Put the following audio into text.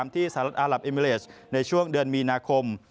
ที่สหรัฐอารับเอมิเลสในช่วงเดือนมีนาคม